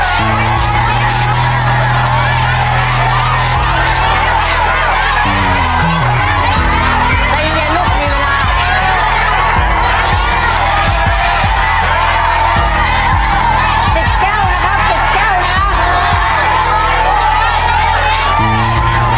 เต็มเย็นลูกมีเวลา